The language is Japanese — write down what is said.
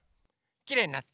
きれいになった！